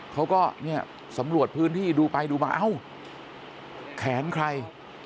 เขาก็เนี่ยสำรวจพื้นที่ดูไปดูมาเอ้าแขนใคร